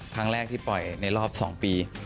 ครั้งแรกที่ปล่อยในรอบ๒ปี